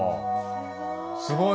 すごい。